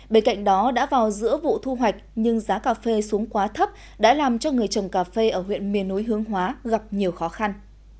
bên cạnh đó đã vào giữa vụ thu hoạch nhưng giá cà phê xuống quá thấp đã làm cho người trồng cà phê ở huyện miền núi hướng hóa gặp nhiều khó khăn